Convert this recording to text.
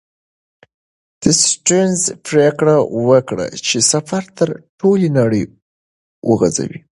سټيونز پرېکړه وکړه چې سفر تر ټولې نړۍ وغځوي.